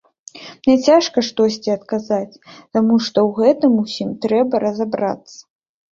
Мне цяжка штосьці адказаць, таму што ў гэтым усім трэба разабрацца.